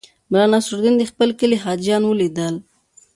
ملا نصرالدین د خپل کلي حاجیان ولیدل.